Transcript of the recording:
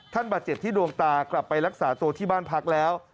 บาดเจ็บที่ดวงตากลับไปรักษาตัวที่บ้านพักแล้ว